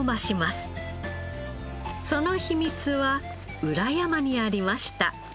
その秘密は裏山にありました。